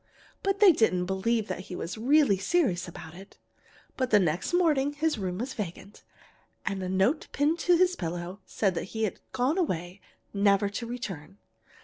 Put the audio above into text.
"They didn't believe he was really serious about it, but the next morning his room was vacant, and a note pinned to his pillow said he had gone away never to return.